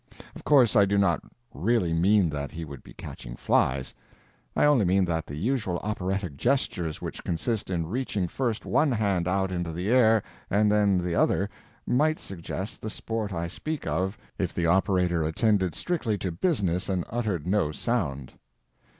Of course I do not really mean that he would be catching flies; I only mean that the usual operatic gestures which consist in reaching first one hand out into the air and then the other might suggest the sport I speak of if the operator attended strictly to business and uttered no sound.